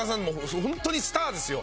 ホントにスターですよ